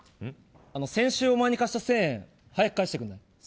先週お前に貸した１０００円早く返してくれない？